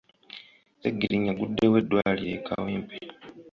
Segirinnya aggudewo eddwaliro e Kawempe.